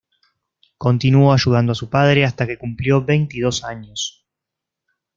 Continuó ayudando a su padre hasta que cumplió veintidós años.